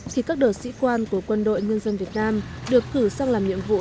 thì các đợt sĩ quan của quân đội nhân dân việt nam được cử sang làm nhiệm vụ